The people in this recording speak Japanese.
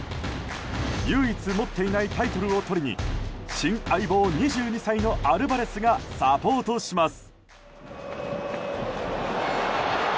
唯一持っていないタイトルをとりに新相棒、２２歳のアルバレスがサポートします。